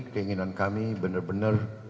keinginan kami benar benar